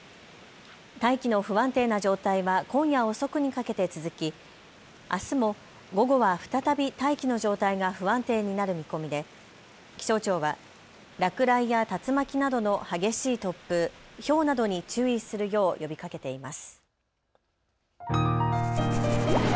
大気の不安定な状態は今夜遅くにかけて続き、あすも午後は再び大気の状態が不安定になる見込みで気象庁は落雷や竜巻などの激しい突風、ひょうなどに注意するよう呼びかけています。